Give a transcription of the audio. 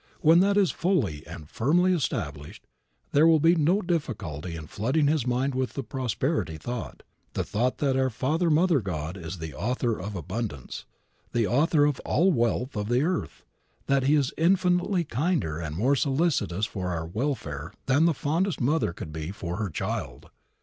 When that is fully and firmly established there will be no difficulty in flooding his mind with the prosperity thought, the thought that our Father Mother God is the Author of abundance, the Author of all the wealth of the earth, and that He is infinitely kinder and more solicitous for our welfare than the fondest mother could be for her child.